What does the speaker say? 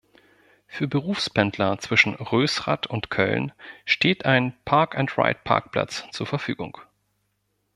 Für Berufspendler zwischen Rösrath und Köln steht ein Park-and-ride-Parkplatz zur Verfügung.